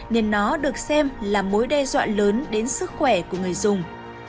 nên nó được xem là mối đe dọa lớn đến sức khỏe của người dùng